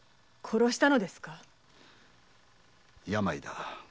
病だ。